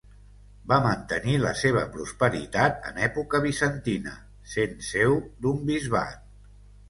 Va mantenir la seva prosperitat en època bizantina sent seu d'un bisbat.